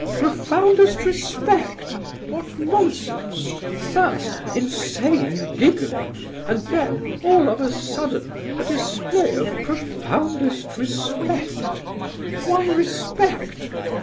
"'Profoundest respect!' What nonsense! First, insane giggling, and then, all of a sudden, a display of 'profoundest respect.' Why respect?